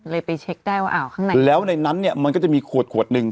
ไปเช็คได้ว่าอ้าวข้างในแล้วในนั้นเนี่ยมันก็จะมีขวดขวดหนึ่ง